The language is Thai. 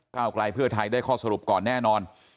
กลายเพื่อไทยได้ข้อสรุปก่อนแน่นอน